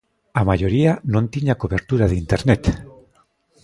A maioría non tiña cobertura de Internet.